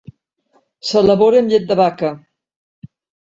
S'elabora amb llet de vaca.